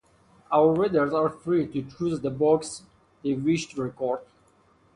Our readers are free to choose the books they wish to record.